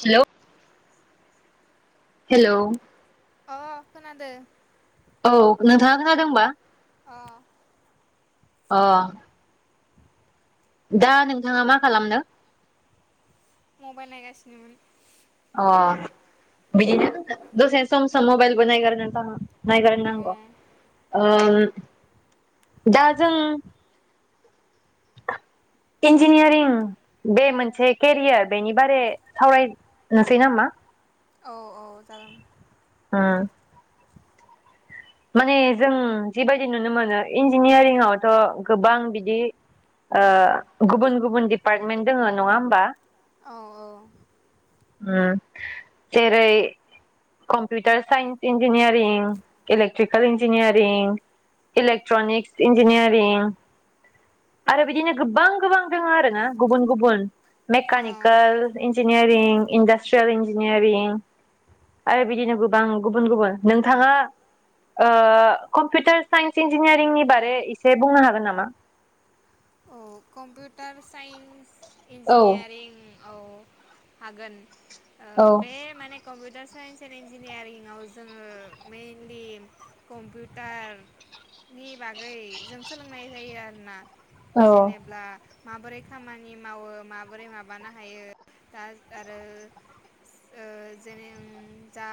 Hello hello अ खोनादों औ नोंथाङा खोनादोंबा अ अ दा नोंथाङा मा खालामदो? मबाइल नायगासिनोमोन। अ बिदिनो दसे सम सम मबाइलबो नायगारा नायगारनांगौ ओ दा जों इन्जिनियारिं बे मोनसे केरियार बेनि बारै सावरायनोसै नामा औ औ जागोन उम माने जों जिबायदि नुनो मोनो इन्जिनियारिंआवथ' गोबां बिदि ओ गुबुन गुबुन डिपार्टमेन्ट दङ नङा होमबा। औ औ उम जेरै- computer science engineering electrical engineering electronics engineering आरो बिदिनो गोबां गोबां दङ आरो ना गुबुन गुबुन mechanical engineering industrial engineering आरो बिदिनो गोबां गुबुन गुबुन नोंथाङा ओ कम्पिउटार साइन्स इन्जिनियारिंनि बारै इसे बुंनो हागोन नामा? औ कमपउटार साइन्स औ इन्जिनियारिं औ हागोन ओ औ बे माने कम्पिउटार साइन्स एन्ड इन्जिनियारिंआव जोङो मेइनलि कम्पिउटारनि बागै जों सोलोंनाय जायो आरोना। औ जेनेब्ला माबोरै खामानि मावो माबोरै माबानो हायो दा आरो ओ जेने ओ जा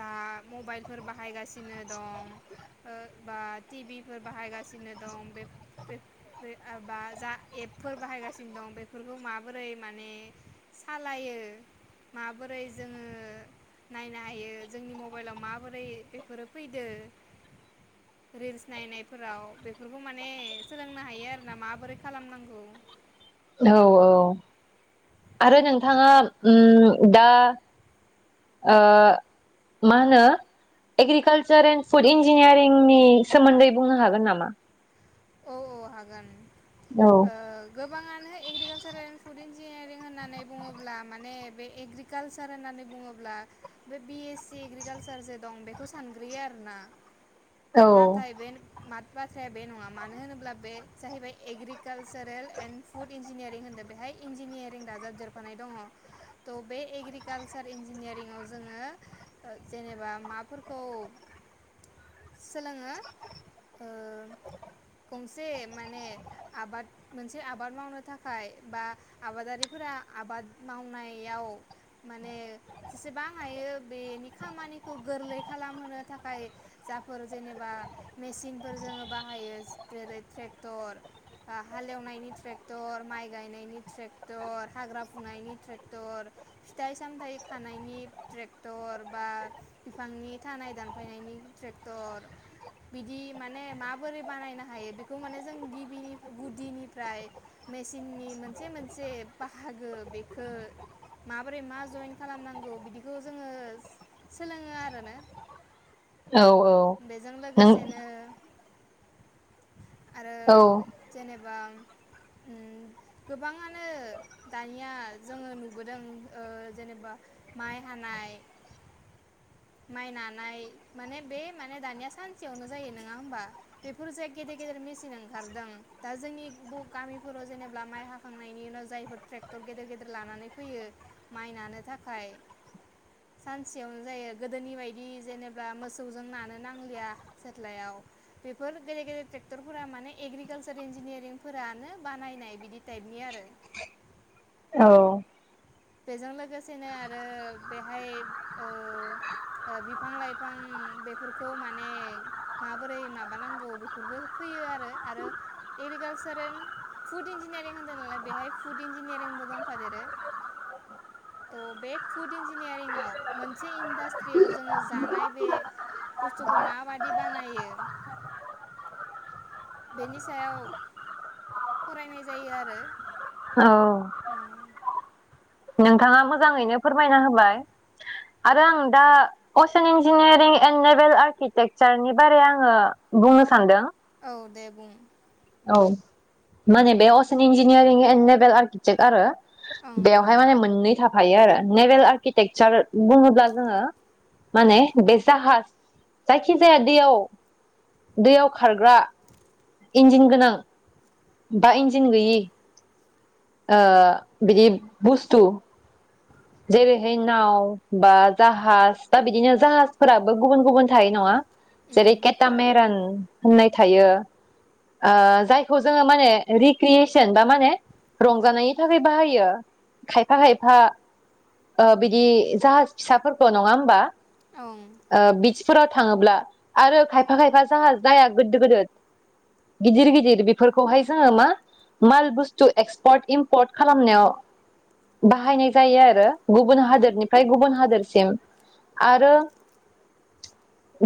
दा मबाइलफोर बाहायगासिनो दं बा टि भि फोर बाहायगासिनो दं बे बा जा एपफोर बाहायगासिनो दं बेफोरखौ माबोरै माने सालायो माबोरै जोङो नायनो हायो जोंनि मबाइलाव माबोरै बेफोरो फैदो रिल्स नायनायफोराव बेफोरखौ माने सोलोंनो हायो आरोना माबोरै खालामनांगौ? औ औ आरो नोंथाङा उम दा मा होनो एग्रिकालसार एण फुड इन्जिनियारिंनि सोमोन्दै बुंनो हागोन नामा? औ औ हागोन औ ओ गोबाङानो एग्रिकालसारेल फुड इन्जिनियारिं होननानै बुङोब्ला माने बे एग्रिकालसार होननानै बुङोब्ला बे बि एस सि एग्रिकालसार जे दं बेखौ सानग्रोयो आरोना। औ नाथाय बे मा बाथ्राया बे नङा मानो होनोब्ला बे जाहैबाय एग्रिकालसारेल एण्ड फुड इन्जिनियारिं होन्दों बेहाय इन्जिनियारिं दाजाबदेरफानाय दङ तह बे एग्रिकालसार इन्जिनियारिंआव जोङो जेनेबा माफोरखौ सोलोङो ओ गंसे माने आबाद मोनसे आबाद मावनो थाखाय बा आबादारिफोरा आबाद मावनायाव माने जेसेबां हायो बेनि खामानिखौ गोरलै खालामहोनो थाखाय जाफोर जेनेबा मेसिनफोर जोङो बा बाहायो जेरै ट्रेक्टर हालेवनायनि ट्रेक्टर माइ गायनायनि ट्रेक्टर हाग्रा फुनायनि ट्रेक्टर फिथाइ सामथाइ खानायनि ट्रेक्टर बा बिफांनि थानाय दानफायनायनि ट्रेक्टर बिदि माने मा माबोरै बानायनो हायो बेखौ माने जों गिबिनि गुदिनिफ्राय मेसिननि मोनसे मोनसे बाहागो बेखौ माबोरै मा जइन खालामनांगौ बिदिखौ जोङो सोलोङो आरोना। औ औ बेजों नों लोगोसेनो आरो औ जेनेबा बा ओम गोबाङानो दानिया जोङो ओ नुबोदों जेनेबा माइ हानाय, माइ नानाय माने बे माने दानिया सानसेयावनो जायो नङा होमबा? बेफोरजों गेदेर गेदेर मेचिन ओंखारदों दा जोंनि गामिफोराव जेनेबा माइ हाखांनायनि उनाव जायफोर ट्रेक्टर गेदेर गेदेर लानानै फैयो माइ नानो थाखाय सानसेयावनो जायो गोदोनि बायदि जेनेबा मोसौजों नानो नांलिया सेथ्लायाव। बेफोर गेदेर गेदेर ट्रेक्टरफोरा माने एग्रिकालसार इन्जिनियारिंफोरानो बानायनाय बिदि टाइपनि आरो औ बेजों लोगोसेनो आरो बेहाय ओ बिफां लाइफां बेफोरखौ माने माबोरै माबानांगौ बेफोरबो फैयो आरो आरो एग्रिकालसार एन्ड फुड इन्जिनियारिं होन्दों नालाय बेहाय फुड इन्जिनियारिंबो दंफादेरो। त' बे फुड इन्जिनियारिंव मोनसे इन्डास्ट्रियाव जोङो जानाय बे बुस्थुखौ माबादि बानायो बेनि सायाव फरायनाय जायो आरो औ नोंथाङा मोजाङैनो फोरमायना होबाय आरो आं दा असियान इन्जिनियारिं एन्ड नेभेल आर्किटेक्सारनि बारै आङो बुंनो सानदों। औ दे बुं औ माने बे ocean engineering and naval architect आरो बेवहाय माने मोननै था थायो आरो नेभेल आर्किटेकसार बुङोब्ला जोङो माने बे जाहाज जायखिजाया दैयाव दैयाव खारग्रा इन्जिन गोनां बा इन्जिन गैयि आ बिदि बुस्थु जेरैहाय नाव बा जाहाज बा बिदिनो जाहाजफोराबो गुबुन गुबुन थायो नङा जेरै केेता मेरन होननाय थायो जायखौ जोङो माने रिक्रियेसन बा माने रंजानायनि थाखाय बाहायो खायफा खायफा बिदि जाहाज फिसाफोरखौ नङा होमबा ओं फोराव थाङोब्ला आरो खायफा खायफा जाह जाया गोदोर गोदोर गिदिर गिदिर बेफोरखौहाय जोङो मा माल बुस्थु एक्सपर्ट इमपर्ट खालामनायाव बाहायनाय जायो आरो। गुबुन हादोरनिफ्राय गुबुन हादोर सिम आरो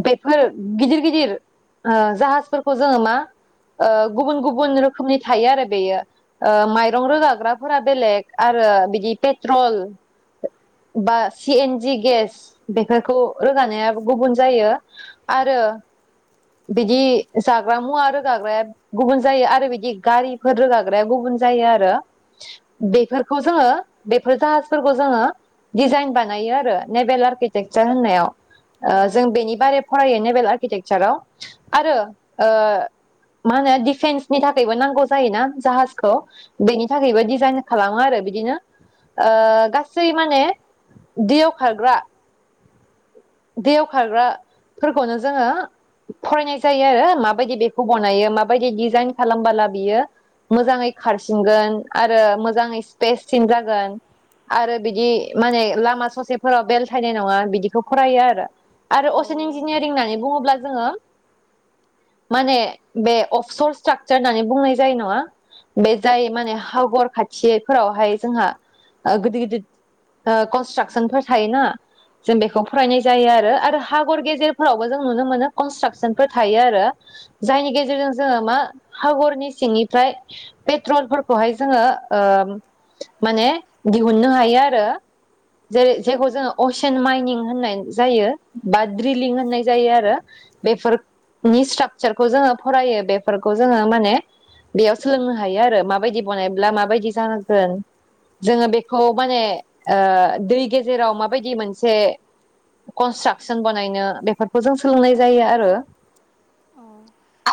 बेफोर गिदिर गिदिर ओ जाहाजफोरखौ जोङो मा ओ गुबुन गुबुन रोखोमनि थायो आरो बेयो ओ माइरं रोगाग्राफोरा बेलेग आरो बिदि पे ट्रल बा सि एन जि गेस बेफोरखौ रोगानाया गुबुन जायो आरो बिदि जाग्रा मुवा रोगाग्राया गुबुन जायो आरो बिदि गारिफोर रोगाग्राया गुबुन जायो आरो बेफोरखौ जोङो बेफोर जाहाजफोरखौ जोङो डिजाइन बानायो आरो नेभेल आर्किटेक्सार होननायाव। जों बेनि बारै फरायहैनाय नेबेल आर्के टेक्साराव आरो मा होनो दिडफेन्सनि थाखायबो नांगौ जायोना जाहाजखौ बेनि थाखायबो डिजाइन खालामो आरो बिदिनो ओ गासै माने दैयाव खारग्रा दैयाव खारग्राफोरखौनो जोङो फरायनाय जायो आरो माबायदि बेखौ बनायो माबायदि दिजाइन खालामबोला बियो मोजाङै खारसिनगोन आरो मोजाङै स्पेससिन जागोन आरो बिदि माने लामा ससेफोराव बेलथायनाय नङा बिदिखौ फरायो आरो। आरो असेन इन्जिनियारिं होननानै बुङोब्ला जोङो मनो बे अबसर सट्राकचार होननानै बुंनाय जायो नङा बे जाय माने हगर खाथिफोरावहाय जोंहा ओ गोदिर गिदिर कनट्राकसन फोर थायोना जों बेखौ फरायनाय जायो आरो हागर गेजेरफोरावबो जों नुनो मोनो कनस्ट्राकसनफोर थायो आरो जायनि गेजेरजों जोङो मा हागरनि सिंनिफ्राय पेट्रलफोरखौहाय जोङो माने दिहुननो हायो आरो जेरै जेखौ जोङो असेन माइनिं होननाय जायो बा द्रिलिं होननाय जायो आरो बेफोरनि स्ट्राकचारखौ जोङो फरायो बेफोरखौ जोङो माने बेयाव सोलोंनो हायो आरो माबायदि बानायब्ला माबायदि जानांगोन जोङो बेखौ माने दै गेजेराव माबायदि मोनसे कनस्ट्राकसन बानायनो बेफोरखौ जों सोलोंनाय जायो आरो।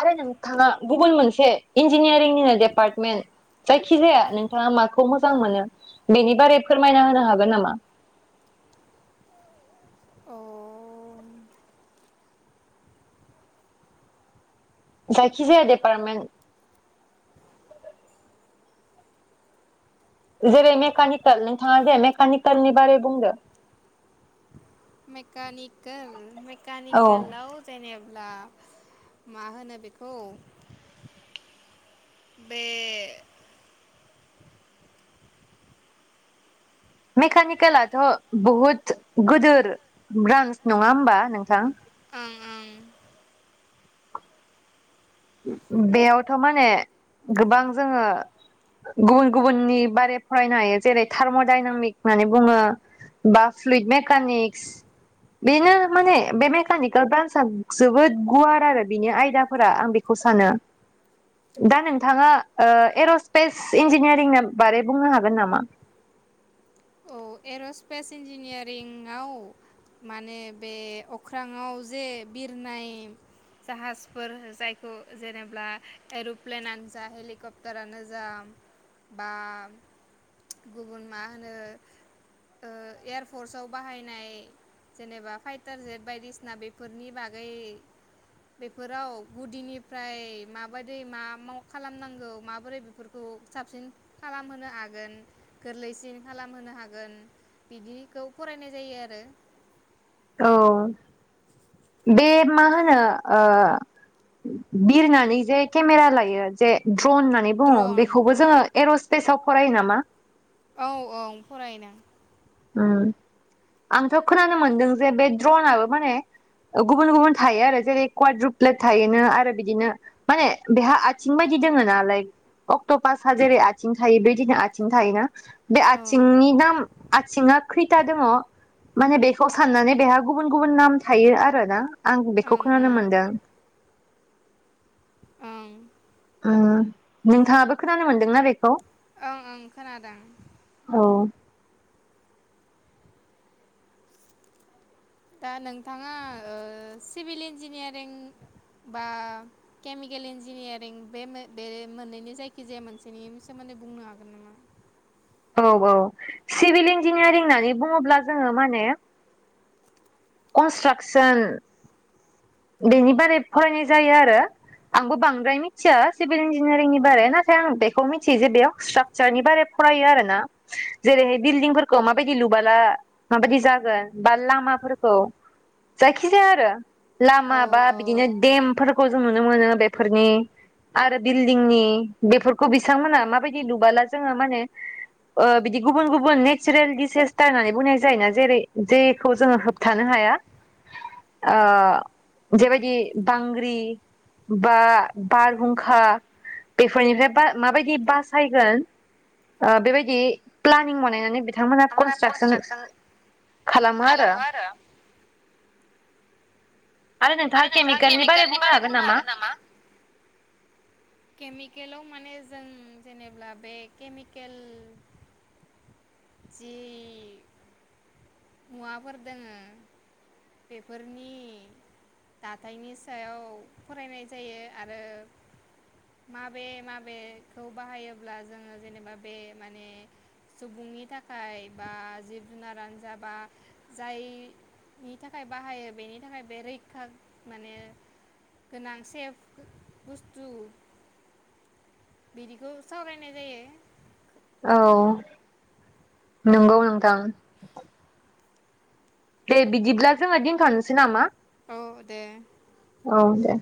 आरो नों थाङा गुबगुन मोनसे इन्जिनियारिं एपार्मेन्ट जाय खि जाया नोंथाङा माखौ मोजां मोनो बेनि बारै फोरमायना होनो हागोन नामा? अ जायखिजाया डेपारमेन्ट जेरै मेकानिकेल नोंथाङा जे मेकानिकेलनि बारै बुंदो। मेकानिकेल मकनिकेलाव जेनेब्ला मा होनो बेखौ बे मेकानिकेलाथ' बहुत गिदोर ब्रान्स नङा होमबा नोंथां? बेयावथ' माने गोबां जोङो गुबुन गुबुननि बारै फरायनो हायो जेरै थार्म'डाइनामिक होननानै बुङो बा फ्लुइद मेकानिक्स बेनो माने बे मेकानिकेल ब्रान्सआ जोबोद गुवार आरो बिनि आयदाफोरा आं बे खौ सानो दा नोंथाङा एर'स्पेस इन्जिनियारिंनि बारै बुंनो हागोन नामा? औ एर'स्पेस इन्जिनियारिंआव माने बे अख्राङाव जे बिरनाय जाहाजफोर जायखौ जेनेब्ला एर'प्लेनानो जा हेलिकप्टारानो जा बा गुबुन मा होनो ओएयारफर्सआव बाहायनाय जेनेबा फाइटार जेट बायदिसिना बेफोरनि बागै बेफोराव गुदिनिफ्राय माबाददि मा माव खालामनांगौ माबोरै बेफोरखौ साबसिन खालामहोनो हागोन गोरलैसिन खालाम होनो हागोन बिदिखौ फरायनाय जायो आरो। औ बे मा होनो ओ बिरनानै जे केमेरा लायो जे द्रन होननानै बुङो बेखौबो जोङो ए'र स्पेसाव फरायो नामा? औ औ फरायनो उम आंथ' खोनानो मोनदों जे बे द्रनाबो माने गुबुन गुबुन थायो आरो जेरै कवाड रुप्लेट थायोनो आरो बिदिनो माने बेहा आथिं बायदि दोङोना लइक अक्ट' पासआ जेरै आथिं थायो बेदिनो आथिं थायोना बे आथिंनि नाम आथिङा खैथा दङ माने बेखौ साननानै बेहा गुबुन गुबुन नाम थायो आरोना। आं बेखौ खोनानो मोनदों। ओं नोंथाङाबो खोनानो मोनदोंना बेखौ? ओं ओं खोनादों। औ। दा नोंथाङा ओ सिभिल इन्जिनियारिं बा केमिकेल इन्जिनियारिं बे बे मोननैनि जायखिजाया मोनसेनि सोमोन्दै बुंनो हागोन नामा? औ औ सिभिल इन्जिनियारिं होननानै बुङोब्ला जोङो माने कनस्ट्राकसन बेनि बारै फरायनाय जायो आरो आंबो बांद्राय मिथिया सिभिल इन्जिनियारिंनि बारै नाथाय आं बेखौ मिथियो जे बेयाव स्ट्राकचारनि बारै फरायो आरोना जेरैहाय बिल्दिंफोरखौ माबायदि लुबाला माबायदि जागोन बा लामाफोरखौ जायखिजाया आरो लामा बा बिदिनो देम फोरखौ जों नुनो मोनो बेफोरनि आरो बिल्डिंनि बेफोरखौ बिसांमोनहा माबायदि लुबाला जोङो माने ओ बिदि गुबुन गुबुन नेचारेल दिडिसेस्टार होननानै बुंनाय जायोना जेरै जेखौ जोङो होबथानो हाया ओ जेबायदि बांग्रि बा बारहुंखा बेफोरनिफ्राय माबायदि बासायगोन ओ बेबायदि प्लानिं बानायनानै बिथांमोनहा कनस्ट्राकसन खालामो आरो। आरो नोंथाङा केमिकेलनि बारै बुंनो हागोन नामा? केमिकेलाव माने जों जेनेबा बे केमिकेल जि मुवाफोर दोङो बेफोरनि दाथायनि सायाव फरायनाय जायो आरो माबे माबे बाहायोब्ला जोङो जेनेबा बे माने सुबुंनि थाखाय बा जिब जुनार जाबा जायनि थाखाय बाहायो बेनि थाखाय बे रैखा माने गोनां सेफ बुस्थु बिदिखौ सावरायनाय जायो औ नंगौ नोंथां‌। दे बिदिब्ला जोङो दिनथ'निसै नामा? औ दे औ दे।